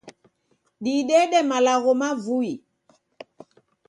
Didede malagho mavui.